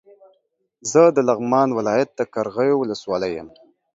زه د لغمان ولايت د قرغيو ولسوالۍ يم